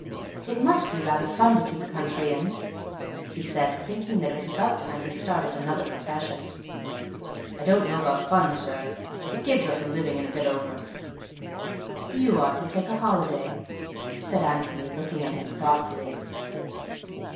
"It must be rather fun to keep a country inn," he said, thinking that it was about time he started another profession. "I don't know about fun, sir. It gives us a living, and a bit over." "You ought to take a holiday," said Antony, looking at him thoughtfully.